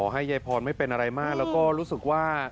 ให้ยายพรไม่เป็นอะไรมากแล้วก็รู้สึกว่า